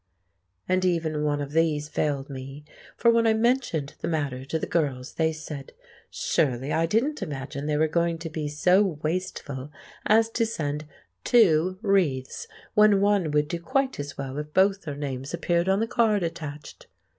And even one of these failed me; for when I mentioned the matter to the girls, they said: Surely I didn't imagine they were going to be so wasteful as to send two wreaths, when one would do quite as well if both their names appeared on the card attached?